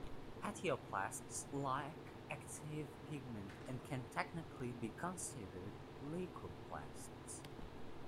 Etioplasts lack active pigment and can technically be considered leucoplasts.